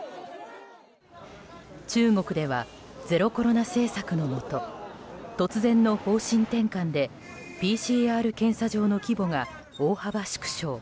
中国ではゼロコロナ政策のもと突然の方針転換でＰＣＲ検査場の規模が大幅縮小。